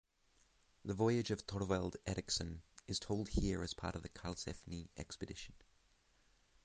The voyage of Thorvald Eriksson is told here as part of the Karlsefni expedition.